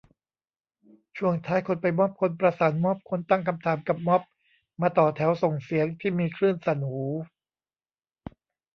ช่วงท้าย คนไปม็อบ คนประสานม็อบ คนตั้งคำถามกับม็อบ มาต่อแถวส่งเสียง ที่มีคลื่นสั่นหู